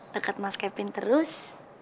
deket mas kevin terus